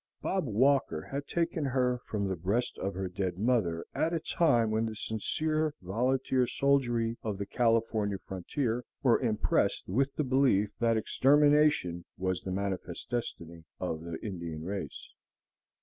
"Bob" Walker had taken her from the breast of her dead mother at a time when the sincere volunteer soldiery of the California frontier were impressed with the belief that extermination was the manifest destiny of the Indian race.